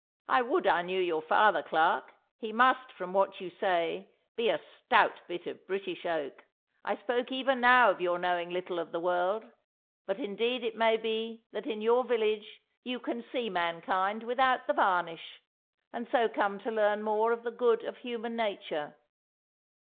I would I knew your father, Clarke, he must, from what you say, be a stout bit of British oak. I spoke even now of your knowing little of the world, but indeed it may be that in your village you can see mankind without the varnish, and so come to learn more of the good of human nature.